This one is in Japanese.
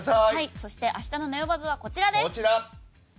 そして明日の「ネオバズ！！」はこちらです。